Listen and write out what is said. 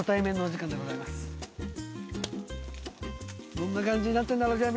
どんな感じになってんだろうじゃあ